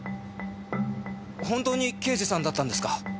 本当に刑事さんだったんですか。